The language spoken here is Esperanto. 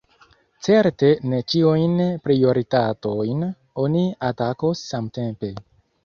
Certe ne ĉiujn prioritatojn oni atakos samtempe.